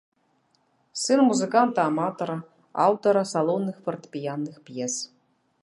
Сын музыканта-аматара, аўтара салонных фартэпіянных п'ес.